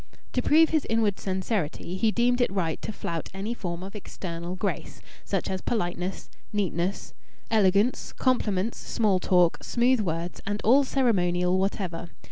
To prove his inward sincerity he deemed it right to flout any form of external grace such as politeness, neatness, elegance, compliments, small talk, smooth words, and all ceremonial whatever.